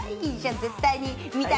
絶対見たい！